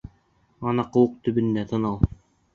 Ана, ҡыуаҡ төбөндә... тын ал!